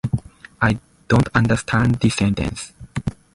They are considered to be incidental to her residing in this space.